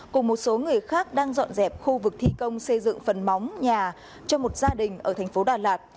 cùng một số người khác đang dọn dẹp khu vực thi công xây dựng phần móng nhà cho một gia đình ở thành phố đà lạt